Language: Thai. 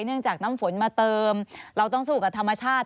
น้ำจากน้ำฝนมาเติมเราต้องสู้กับธรรมชาติ